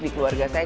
di keluarga saya